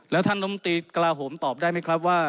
แล้วท่านนมตรีกลาโหมตอบได้ไหมครับว่า